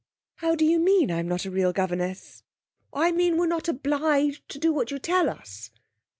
'How do you mean, I'm not a real governess?' 'Well, I mean we're not obliged to do what you tell us!'